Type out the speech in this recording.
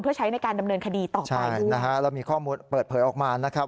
เพื่อใช้ในการดำเนินคดีต่อไปนะฮะแล้วมีข้อมูลเปิดเผยออกมานะครับ